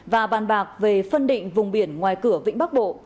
và bàn bạc về phân định vùng biển ngoài cửa vĩnh bắc bộ